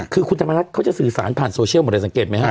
คือคุณธรรมนัฐเขาจะสื่อสารผ่านโซเชียลหมดเลยสังเกตไหมฮะ